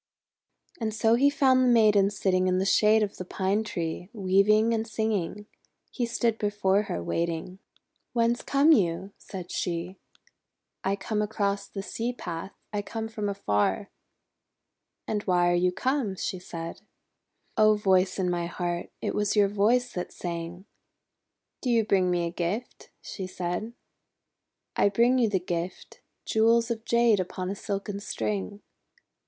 And so he found the Maiden sitting in the shade of the Pine Tree, weaving and singing. He stood before her, waiting. 'Whence come you?" said she. :<I am come across the sea path. I am come from afar." "And why are you come?" she said. :'O Voice in my heart, it was your voice that sang!' 'Do you bring me a gift?" she said. "I bring you the gift, jewels of Jade upon a silken string."